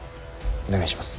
お願いします。